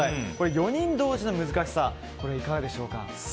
４人同時の難しさはいかがでしょうか？